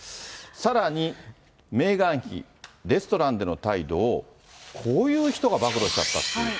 さらに、メーガン妃、レストランでの態度を、こういう人が暴露しちゃったっていう。